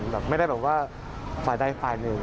แบบไม่ได้แบบว่าฝ่ายใดฝ่ายหนึ่ง